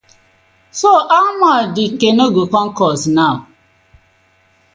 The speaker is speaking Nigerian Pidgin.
So how much the canoe go com cost naw?